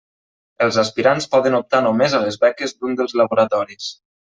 Els aspirants poden optar només a les beques d'un dels laboratoris.